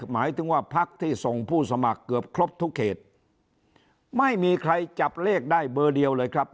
หมายถึงว่าพักที่ส่งผู้สมัครเกือบครบทุกเขตไม่มีใครจับเลขได้เบอร์เดียวเลยครับ